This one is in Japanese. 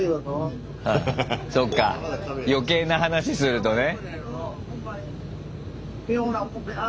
そうか余計な話するとね。